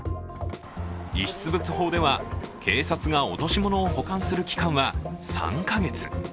遺失物法では、警察が落とし物を保管する期間は３か月。